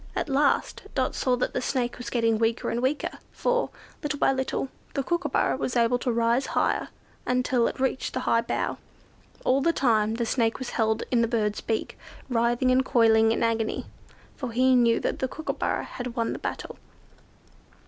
At last Dot saw that the Snake was getting weak, for, little by little, the Kookooburra was able to rise higher with it, until it reached the high bough. All the time the Snake was held in the bird's beak, writhing and coiling in agony; for he knew that the Kookooburra had won the battle.